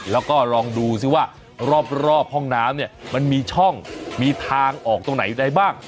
แล้วก็ลองดูซิว่ารอบห้องน้ำเนี่ยมันมีช่องมีทางออกตรงไหนได้บ้าง